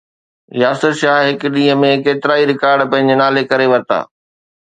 ياسر شاهه هڪ ڏينهن ۾ ڪيترائي رڪارڊ پنهنجي نالي ڪري ورتا